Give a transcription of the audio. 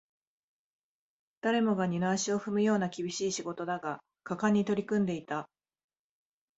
誰もが二の足を踏むような厳しい仕事だが、果敢に取り組んでいた